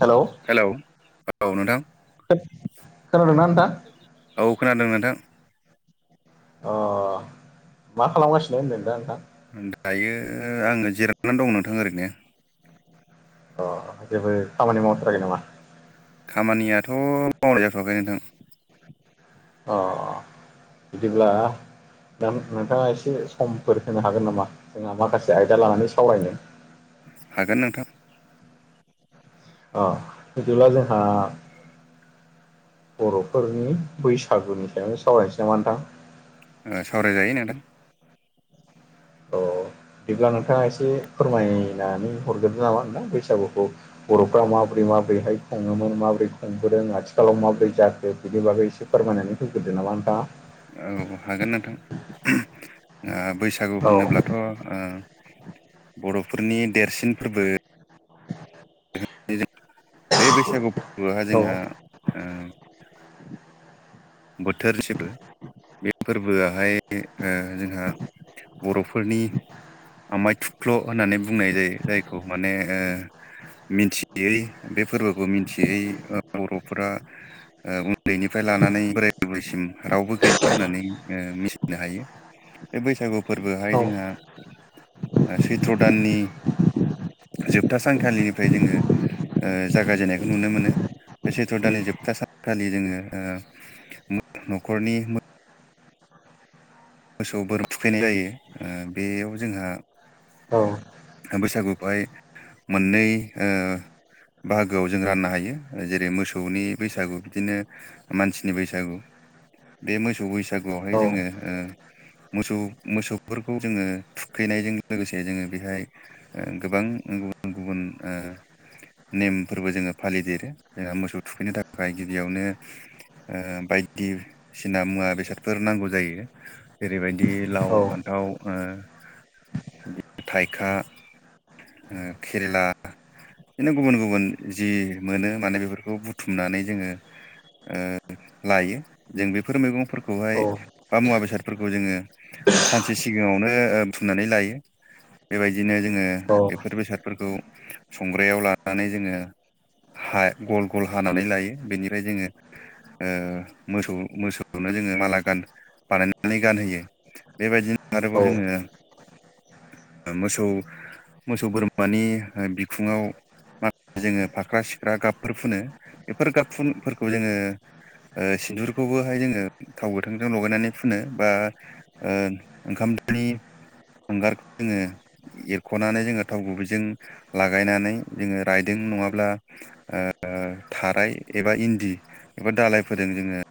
hello hello औ नोंथां खोनादों ना नोंथां औ खोनादों नोंथां अ मा खालामगासिनो होनदों दा नोंथां दायो आङो जिरायनानै दं नोंथां ओरैनो अ जेबो खामानि मावथ्राखै नामा खामानियाथ' मावनायाय जाथ'वाखै नोंथां अ अ बिदिब्ला दा नोंथाङा एसे समफोर होनो हागोन नामा जोंहा माखासे आयदा लानानै सावरायनो हागोन नोंथां अ बिदिब्ला जोंहा बर'फोरनि बैसागुनि सायावनो सावरायनोसै नामा नोंथां सावरायजायो नोंथां थ' बिदिब्ला नोंथाङा एसे फोरमायनानै हरग्रो नामा नोंथां बैसागुखौ बर'फ्रा माबोरै माबोरैहाय खुङोमोन माबोरै खुंबोदों आथिखालाव माबोरै जाखो बिनि बागै एसे फोरमायनानै होग्रोदो नामा नोंथाङा औ हागोन नोंथां बैसागु होनोब्लाथ' औ बर'फोरनि देरसिन फोरबो [inaudible] बे बैसागु फोरबोहा औ जोंहा बोथोर [unintelligible] बे फोरबोआहाय जोंहा बर'फोरनि आमाइ थुख्ल' होननानै बुंनाय जायो जायखौ माने ओ मिथियै बे फोरबोखौ मिथि मोनथियै बर'फोरा उन्दैनिफ्राय लानानै रावबो गैया होननानै मिथिनो हायो बे बैसागु फोरबोहाय औ जोंहा सैथ्र' दाननि जोबथा सानखालिनिफ्राय जोङो जागायजेननायखौ नुनो मोनो बे सैथ्र' दाननि जोबथा सानखालि जोङो न'खरनि मोसौ बोरमा थुखैनाय जायो बेयाव जोंहा औ बैसागुखौहाय मोननै बाहागोआव जों राननो हायो जेरै मोसौनि बैसागु बिदिनो मानसिनि बैसागु बे मोसौ औ बैसागुआवहाय औ जोङो मोसौ मोसौफोरखौ जोङो थुखैनायजों लोगोसे जोङो बेहाय गोबां गुबुन गुबुन नेमफोरबो जोङो फालिदेरो जोंहा मोसौ थुखैनो थाखाय गिबियावनो बायदिसिना मुवा बेसादफोर नांगौ जायो जेरैबायदि लाव फान्थाव थाइखा खेरेला बिदिनो गुबुन गुबुन जि मोनो माने बेफोरखौ बुथुमनानै जोङो लाय जों बेफोर मैगं खौहाय बा मुवा बेसादफोरखौ जोङो सानसे सिगाङावनो फुनानै लायो बिदिनो जोङो बेफोर बेसादफोरखौ संग्रायाव लानानै जोङो गल गल हानानै लायो बेनिफ्राय जोङो मोसौ मोसौनो जोङो माला गान बानायनानै गानहोयो बेबायदिनो आरोबाव जोङो मोसौ मोसौ मोसौ बोरमानि बिखुङाव माखासे जोङो फाख्रा सिख्रा गाबफोर फुनो बेफोर गाब फुनफोरखौ जोङो सिन्दुरखौबोहाय जोङो थाव गोथांजों लगायनानै फुनो बा ओंखाम दोनि हांगारखौ जोङो एरख'नानै जोङो थाव गुबैजों लागायनानै जोङो रायदों नङाब्ला थाराय एबा इन्दि एबा दालाय फोदो जोङो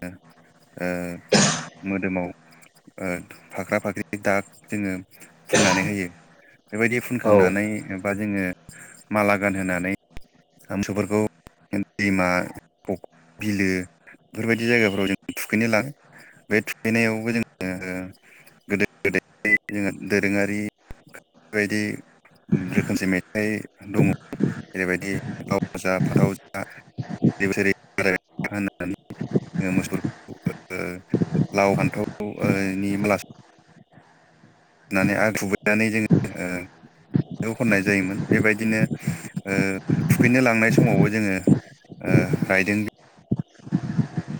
ओ मोदोमाव फाख्रा फाख्रि दाग जोङो फुननानै होयो बेबायदि फुनखांनानै बा जोङो माला गानहोनानै हांसोफोरखौ दैमा बिलो बेफोरबायदि जायगाफोराव जों थुखैनो लाबाय बे थुखैनायावबो जोङो गोदो गोदाय जोंहा दोरोङारि बेबायदि रोखोमसे मेथाइ दङ जेरैबायदि लाव जा फान्थाव जा बोसोरो बोसोरो बोराय थाथों होननानै मोसौफोरखौ ओ [unintelligible] लाव फान्थाव ओनि माला [unintelligible] होननानै आर खुबैनानै जोङो ओ बेखौ खननाय जायोमोन बेबायदिनो ओ थुखैनो लांनाय समावबो जोङो ओ रायदों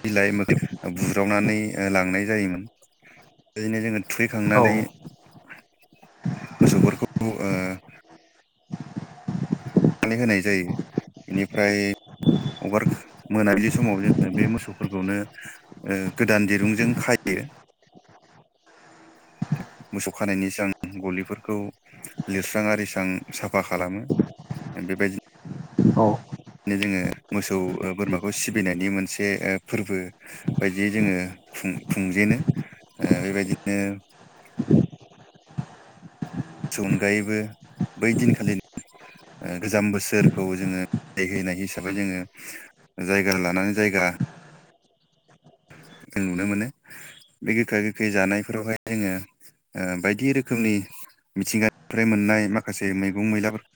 बिलाइ मोखै [unintelligible] बुुज्रावनानै लांनाय जायोमोन बिदिनो जोङो औ थुखैखांनानै मोसौफोरखौ ओ सारनानै [unintelligible] होनाय जायो बेनिफ्राय हगार मोनाबिलि समाव जोङो बे मोसौफोरखौनो ओ गोदान दिरुंजों खायो मोसौ खानायनि सिगां गलिफोरखौ लिरस्रां आरिस्रां साफा खालामो बेबायदि औ नो जोङो मोसौ बोरमाखौ सिबिनायनि मोनसे फोरबो बायदि जोङो खुं खुंजेनो ओ बेबायदिनो सौ अनगायैबो बै दिनखालि ओ गोजाम बोसोरखौ जोङो बिदायहाय हिसाबै जोङो जायगा लानानै जायगा जों नुनो मोनो बे गोखा गोखै जानायफोरावहाय जोङो ओ बायदि रोखोमनि मिथिंगानिफ्राय मोननाय माखासे मैगं मैलाफोर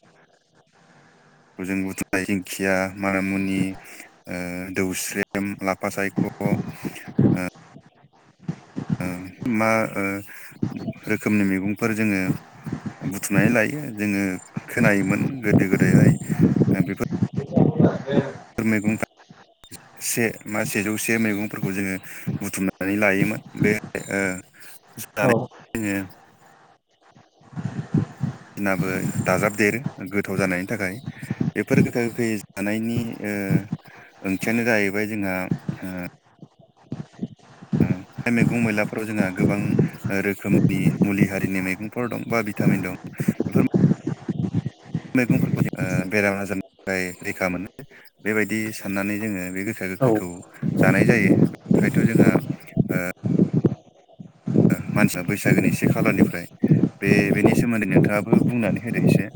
खौ जों बुथुमनाय दिंखिया मानामुनि ओ दौस्रेम लाफा सायख' मा ओ रोखोमनि मैगंफोर जोङो बुथुमनानै लायो जोङो खोनायोमोन गोदो गोदायहाय बेफोर मैगंफ्रा से मा सेजौ से मैगंफोरखौ जोङो बुथुमनानै लायोमोन बे ओ जानाय जोङो बिनाबो दाजाबदेरो गोथाव जानायनि थाखाय बेफोर गोखाै गोखै जानायनि ओ ओंथियानो जाहैबाय जोंहा ओ उम बे मैगं मैलाफोराव जोंहा गोबां रोखोमनि मुलि हारिनि मैगंफोर दं बा भिटामिन दं बेफोर मैगंफोरखौ जो बेराम जारनिफ्राय थाखाय रैखा मोनो बेबायदि साननानै जोङो बे गोखा औ गोखैखौ जानाय जायो बेनिफ्रायथ' जोंहा मानसिया बैसागोनि से खालारनिफ्राय बे बेनि सोमोन्दै नोंथाङाबो बुंनानै होदो एसे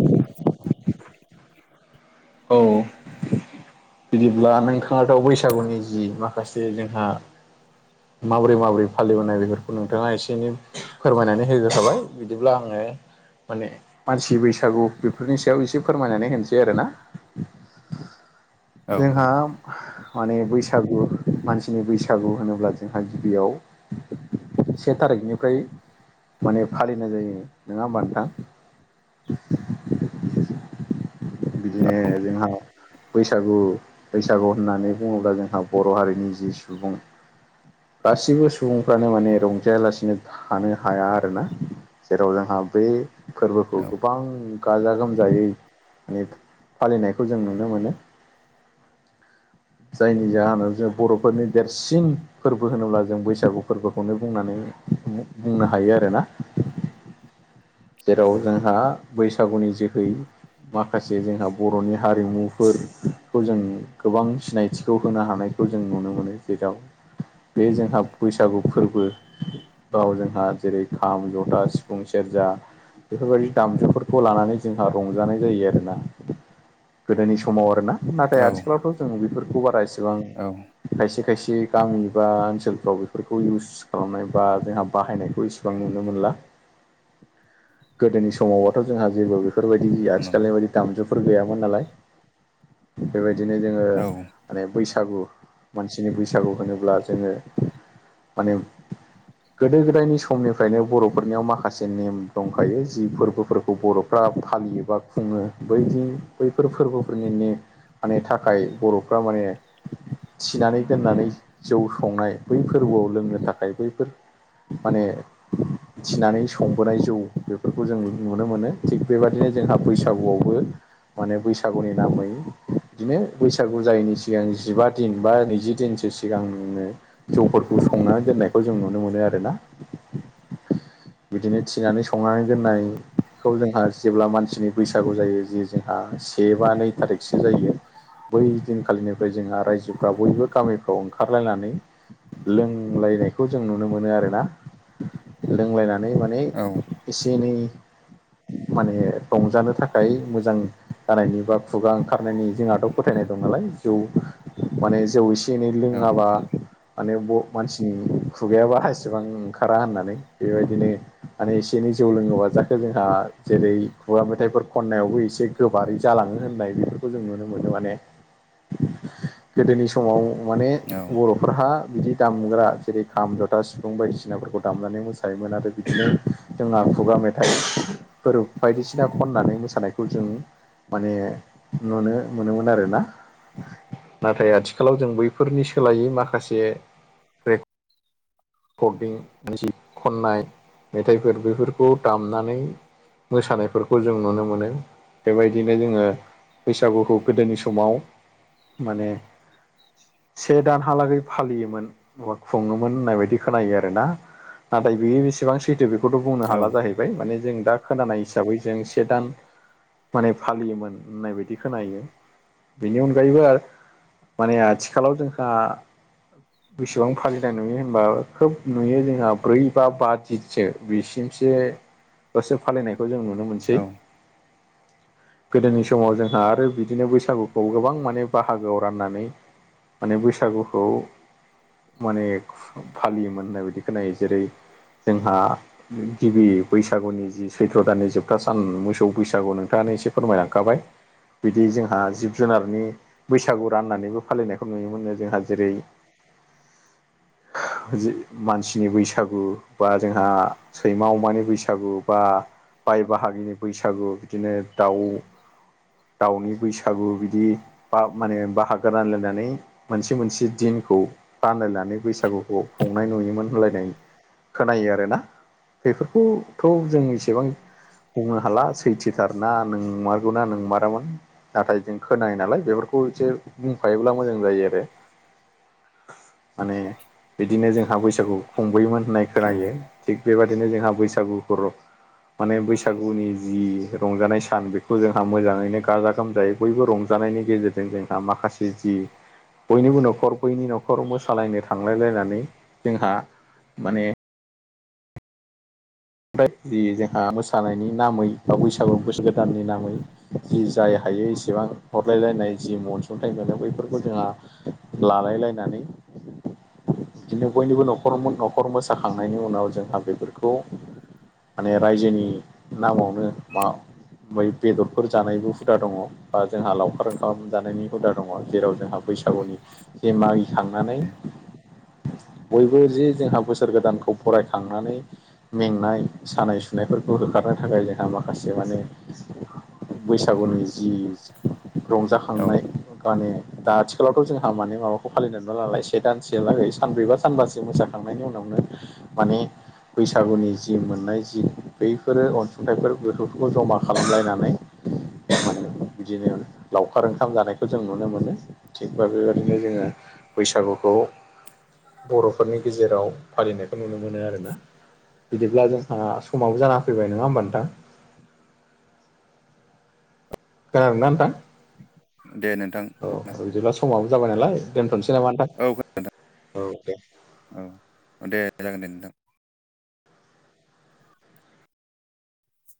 औ बिदिब्ला नोंथाङाथ' बैसागुनि जि माखासे जोंहा माबोरै माबोरै फालिबोनाय बेफोरखौ नोंथाङा एसे एनै फोरमायनानै होग्रोखाबाय बिदिब्ला आङो माने मानसि बैसागु बेफोरनि सायाव एसे फोरमायनानै होनोसै आरो ना औ जोंहा माने बैसागु मानसिनि बैसागु होनोब्ला जोंहा गिबियाव से थारिखनिफ्राय माने फालिनाय जायो नङा होमबा नोंथां बिदिनो जोंहा बैसागु बैसागु होननानै बुङोब्ला जोंहा बर' हारिनि जि सुबुं गासिबो सुबुंफ्रानो माने रंजायालासिनो थानो हाया आरोना जेराव जोंहा बे फोरबोखौ गोबां गाजा गोमजायै माने फालिनायखौ जों नुनो मोनो जायनि जाहोनाव जों बर'फोरनि देरसिन फोरबो होनोब्ला जों बैसागु फोरबोखौनो बुंनानै बुंनो हायो आरोना जेराव औ जोंहा बैसागुनि जोहै माखासे जोंहा बर'नि हारिमुफोरखौ जों गोबां सिनायथिखौ होनो हानाय खौ जों नुनो मोनो जेराव बे जोंहा बैसागु फोरबो गाव जोंहा जेरै खाम जथा सिफुं सेरजा बेफोरबायदि दामजुफोरखौ लानानै जोंहा रंजानाय जायो आरोना गोदोनि समाव आरोना नाथाय औ आथिखालावथ' जों बेफोरखौ बारा एसेबां औ खायसे खायसे गामि बा ओनसोलफ्राव बेफोरखौ इउस स खालामनाय बा जोंहा बाहायनायखौ इसिबां नुनो मोनला गोदोनि समावबाथ' जोंहा जेबो बेफोरबायदि गैया औ नंगौ आथिखालनि बायदि दामजुफोर गैयामोन नालाय बेबायदिनो जोङो औ माने बैसागु मानसिनि बैसागु होनोब्ला जोङो माने गोदो गोदायनि समनिफ्रायनो बर'फोरनियाव माखासे नेम दंखायो जि फोरबोफोरखौ बर' फालियो बा खुङो बैदि बैफोर फोरबोफोरनिनो माने थाखाय बर'फ्रा माने थिनानै दोननानै जौ संनाय बै फोरबोआव लोंनो थाखाय बैफोर माने थिनानै संबोनाय जौ बेफोरखौ जों नुनो मोनो थिग बेबायदिनो जोंहा बैसागुआवबो माने बैसागुनि नामै बिदिनो बैसागु जायैनि सिगां जिबा दिन बा नैजि दिनसो सिगांनो जौफोरखौ संना दोननायखौ जों नुनो मोनो आरो ना बिदिनो थिनानै संनानै दोननायखौ जोंहा जेब्ला मानसिनि बैसागु जायो जि जोंहा से बा नै थारिगसो जायो बै दिनखालिनिफ्राय जोंहा रायजोफ्रा बयबो गामिफ्राव ओंखारलायनानै लोंलायनायखौ जों नुनो मोनो आरोना लोंलायनानै मा औ [unintelligible] एसे एनै माने रंजानो थाखाय मोजां जानायनि बा खुगा ओंखारनायनि जोंहाथ' फोथायनाय दं नालाय जौ माने जौ एसे एनै औ लोङाबा माने मानसिनि खुगायाबा हसेबां ओंखारा होननानै बेबायदिनो माने एसे एनै जौ लोङोबा जाखो जोंहा जेरै खुवा मेथाइफोर खननायावबो एसे गोबारै जालाङो होननाय बेफोरखौ जों नुनो मोनो माने गोदोनि समाव माने औ बर'फोरहा बिदि दामग्रा जेरै खाम जथा सिफुं बायदिसिनाफोरखौ दामनानै मोसायोमोन आरो बिदिनो जोंना खुगा मेथाइ फोर बायदिसिना खननानै मोसानायखौ जों माने नुनो मोनोमोन आरोना नाथाय आथिखालाव जों बैफोरनि सोलायै माखासे [unintelligible] जि खननाय मेथाइफोर बेफोरखौ दामनानै मोसानायफोरखौ जों नुनो मोनो बेबायदिनो जोङो बैसागुखौ गोदोनि समाव माने से दानहालागै फालियोमोन बा खुङोमोन होननाय बायदि खोनायो आरो ना नाथाय बियो बेसेबां सैथो बेखौथ' बुंनो औ हाला जाहैबाय माने जों दा खोनानाय हिसाबै जों से दान माने फालियोमोन होननाय बायदि खोनायो बेनि अनगायैबो माने आथिखालाव जोंहा बेसेबां फालिनाय नुयो होनबा खोब नुयो जोंहा ब्रै बा बा दिनसो बिसिमसो [unintelligible] फालिनायखौ जों नुनो मोनसै औ गोदोनि समाव जोंहा आरो बिदिनो बैसागुखौ गोबां माने बाहागोआव राननानै माने बैसागुखौ माने फालियोमोन होननाय बायदि खोनायो जेरै जोंहा गिबि बैसागुनि जि सैथ्र' दाननि जोबथा सान मोसौ बैसागु नोंथाङानो एसे फोरमायलांखाबाय बिदि जोंहा जिब जुनारनि बैसागु राननानैबो फालिनायखौ नुयोमोन नो जोंहा जेरै हो‌ मानसिनि बैसागु बा जोंहा सैमा अमानि बैसागु बा बाय बाहागिनि बैसागु बिदिनो दाउ दाउनि बैसागु बिदि बा माने बाहागो रानलायनानै मोनसे मोनसे दिनखौ बानलायनानै बैसागुखौ खुनाय नुयोमोन होनलायनाय खोनायो आरोना बेफोरखौ थ' जों इसेबां बुंनो हाला सैथोथारना नों मारगौना नों मारामोन नाथाय जों खोनायो नालाय बेफोरखौ एसे बुंफायोब्ला मोजां जायो आरो माने बिदिनो जोंहा बैसागु खुंबोयोमोन होननाय खोनायो औ थिग बेबायदिनो जोंहा बैसागु फोरब माने बैसागुनि जि रंजानाय सान बेखौ जोंहा मोजांयैनो गाजा गोमजायै बयबो रंजानायनि गेजेरजों जोंहा माखासे जि बयनिबो न'खर बैनि न'खर मोसालायनो थांलायलायनानै जोंहा माने आमफ्राय जि जोंहा मोसानायनि नामै बा बैसागु‌ बोसोर गोदाननि नामै जि जाय हायो इसेबां हरलायलायनाय जि अनसुंथाइ मोनो बैफोरखौ जोंहा हो लालायलायनानै बिदिनो बयनिबो न'खर न'खर मोसाखांनायनि उनाव जोंहा बेफोरखौ माने रायजोनि नामावनो मा बै बेदरफोर जानायबो हुदा दङ बा जोंहा लावखार ओंखाम जानायनि हुदा दङ जेराव जोंहा बैसागुनि जे मागि खांनानै बयबो जे जोंहा बोसोर गोदानखौ बरायखांनानै नाय सानाय सुनायफोरखौ होखारनो थाखाय जोंहा माखासे माने बैसागुनि जि औ रंजाखांनाय माने दा आथिखालावथ' जोंहा माने माबाखौ फालिनानैबो नालाय से दानसेलागै सानब्रैबा सानबासो मोसाखांनायनि उनावनो माने बैसागुनि जि जि मोननाय जि बैफोरो अनसुंथाइफोर बेफोरखौ जमा खालामलायनानै [inaudible] बिदिनो लावखार ओंखाम जानायखौ जों नुनो मोनो थिग बे बेबायदिनो जोङो बैसागुखौ बर'फोरनि गेजेराव फालिनायखौ नुनो मोनो आरोना बिदिब्ला जोंहा समाबो जाना फैबाय नङा होमबा नोंथां खोनादों ना नोंथां दे नोंथां औ बिदिब्ला समाबो जाबाय नालाय दोनथ'नोसै नामा औ नोंथां औ दे औ दे दे जागोन दे नोंथां